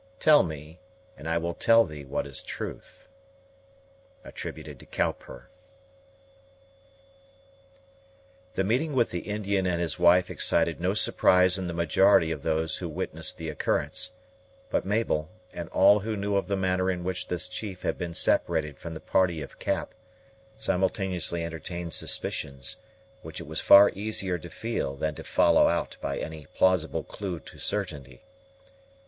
Tell me and I will tell thee what is truth. COWPER. The meeting with the Indian and his wife excited no surprise in the majority of those who witnessed the occurrence; but Mabel, and all who knew of the manner in which this chief had been separated from the party of Cap, simultaneously entertained suspicions, which it was far easier to feel than to follow out by any plausible clue to certainty.